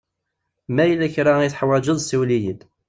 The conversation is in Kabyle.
Ma yella kra i tuḥwaǧeḍ siwel-iyi-d.